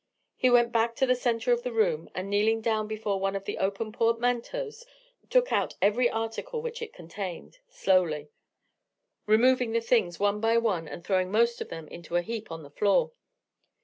He went back to the centre of the room, and kneeling down before one of the open portmanteaus, took out every article which it contained, slowly: removing the things one by one, and throwing most of them into a heap upon the floor.